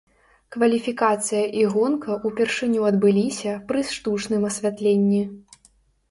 Кваліфікацыя і гонка ўпершыню адбыліся пры штучным асвятленні.